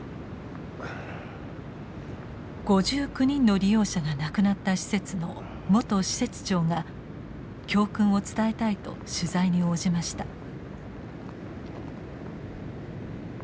５９人の利用者が亡くなった施設の元施設長が教訓を伝えたいと取材に応じました。